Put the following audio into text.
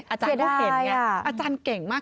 อาจารย์ได้เห็นไงอาจารย์เก่งมาก